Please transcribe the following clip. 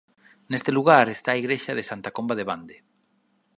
Neste lugar está a igrexa de Santa Comba de Bande.